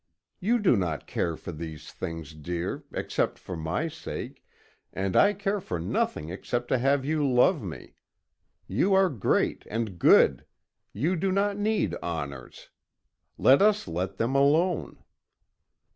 You do not care for these things, dear, except for my sake, and I care for nothing except to have you love me. You are great and good. You do not need honors. Let us let them alone."